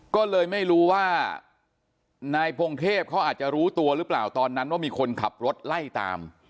ก็เลยไม่รู้ว่านายพงเทพเขาอาจจะรู้ตัวหรือเปล่าตอนนั้นว่ามีคนขับรถไล่ตาม